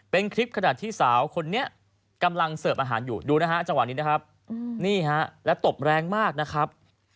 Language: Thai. เป็นคลิปขณะที่สาวคนนี้กำลังเสิร์ฟอาหารอยู่ดูนะฮะจังหวะนี้นะครับนี่ฮะแล้วตบแรงมากนะครับ